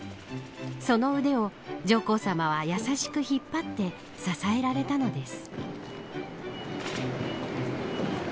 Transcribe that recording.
その腕を、上皇さまは優しく引っ張って支えられたのです。